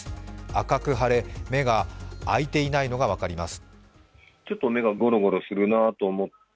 赤く腫れ、目が開いていないのが分かります。